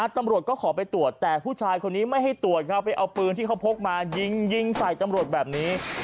ตำรวจก็ขอไปตรวจแต่ผู้ชายคนนี้ไม่ให้ตรวจครับไปเอาปืนที่เขาพกมายิงยิงใส่ตำรวจแบบนี้